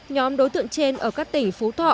nhóm đối tượng trên ở các tỉnh phú thọ